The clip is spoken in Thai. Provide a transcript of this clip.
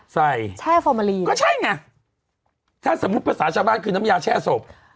ใส่ใช่ฟอร์มาลีก็ใช่ไงถ้าสมมุติภาษาชาวบ้านคือน้ำยาแช่ศพ